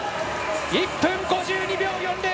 １分５２秒４０！